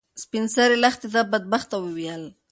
سپین سرې لښتې ته بدبخته وویل.